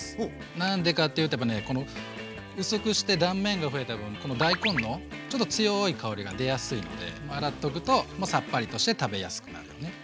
何でかっていうとやっぱねこの薄くして断面が増えた分この大根のちょっと強い香りが出やすいので洗っとくとさっぱりとして食べやすくなるのね。